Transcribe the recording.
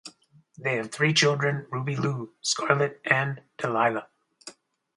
They have three children, Ruby Lou, Scarlett and Delilah.